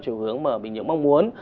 chiều hướng mà bình nhưỡng mong muốn